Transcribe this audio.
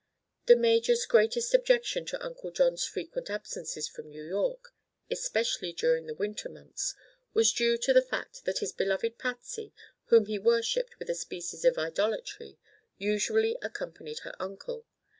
The major's greatest objection to Uncle John's frequent absences from New York—especially during the winter months—was due to the fact that his beloved Patsy, whom he worshiped with a species of idolatry, usually accompanied her uncle.